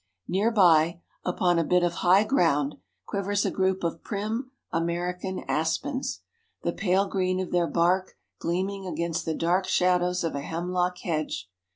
Near by, upon a bit of high ground, quivers a group of prim American aspens, the pale green of their bark gleaming against the dark shadows of a hemlock hedge.